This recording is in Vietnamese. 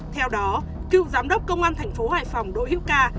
theo đó cựu giám đốc công an thành phố hải phòng đỗ hữu ca